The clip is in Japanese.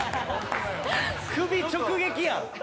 首直撃やん。